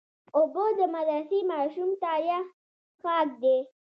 اوبه د مدرسې ماشوم ته یخ څښاک دی.